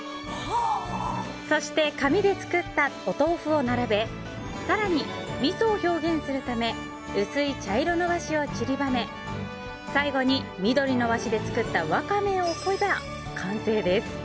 そして、紙で作ったお豆腐を並べ更に、みそを表現するため薄い茶色の和紙を散りばめ最後に緑の和紙で作ったワカメを置けば完成です。